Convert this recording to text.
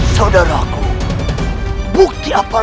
saudaraku ini bukti apa